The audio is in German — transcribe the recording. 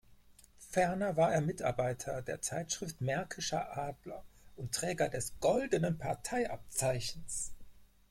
Ferner war er Mitarbeiter der Zeitschrift "Märkischer Adler" und Träger des Goldenen Parteiabzeichens.